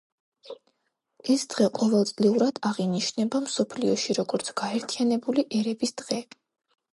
ეს დღე ყოველწლიურად აღინიშნება მსოფლიოში როგორც გაერთიანებული ერების დღე.